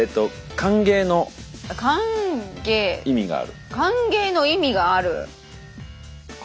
歓迎の意味がある。